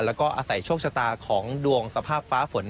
แล้วก็อาศัยโชคชะตาของดวงสภาพฟ้าฝน